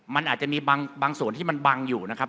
มันอาจจะมีบางส่วนที่มันบังอยู่นะครับ